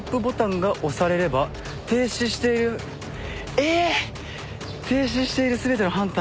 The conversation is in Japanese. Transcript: えっ！？